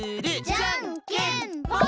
じゃけんぽん！